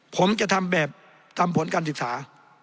ผมจะทำแบบทำผลการศึกษา